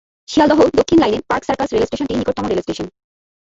শিয়ালদহ দক্ষিণ লাইনের পার্ক সার্কাস রেলস্টেশনটি নিকটতম রেলস্টেশন।